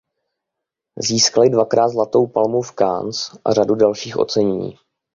Získali dvakrát Zlatou palmu v Cannes a řadu dalších ocenění.